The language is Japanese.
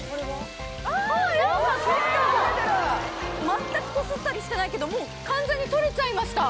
全くこすったりしてないけどもう完全に取れちゃいました。